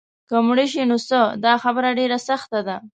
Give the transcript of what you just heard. که مړه شي نو څه؟ دا خبره ډېره سخته ده.